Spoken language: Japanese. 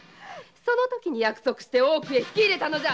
そのときに約束して大奥へ引き入れたのじゃ！